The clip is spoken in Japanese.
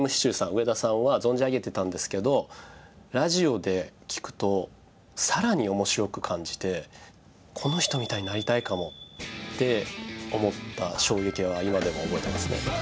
上田さんは存じ上げてたんですけどラジオで聴くと更に面白く感じてって思った衝撃は今でも覚えてますね。